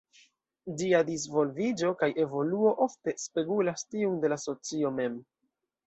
Ĝia disvolviĝo kaj evoluo ofte spegulas tiun de la socio mem.